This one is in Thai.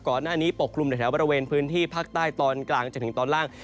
ก่อนหน้านี้ปกคลุมในแถวบริเวณพื้นที่ภาคใต้ตอนกลางจนถึงตอนล่าง